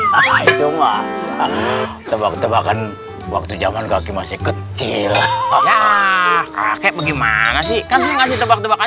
jett admire tebak tebakan waktu zaman kaki masih kecil nah kayak bagaimana sih